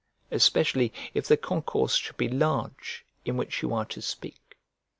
especially if the concourse should be large in which you are to speak?